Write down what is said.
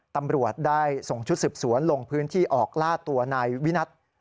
ตำรวจได้ส่งชุดสืบสวนลงพื้นที่ออกล่าตัวนายวินัท